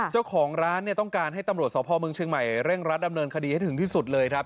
เจ้าของร้านเนี่ยต้องการให้ตำรวจสพเมืองเชียงใหม่เร่งรัดดำเนินคดีให้ถึงที่สุดเลยครับ